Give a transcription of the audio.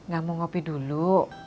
gak mau ngopi dulu